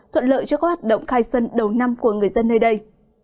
thuận lợi cho các hoạt động khai xuân đầu năm của người dân nơi đây